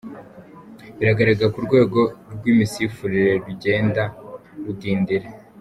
Biragaragara ko urwego rw’imisifurire rugenda rudindira.